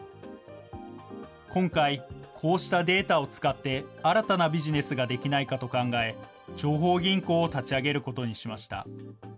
今回、こうしたデータを使って、新たなビジネスができないかと考え、情報銀行を立ち上げることにしました。